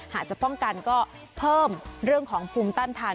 หากจะป้องกันก็เพิ่มเรื่องของภูมิต้านทาน